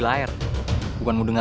lo harus banget ya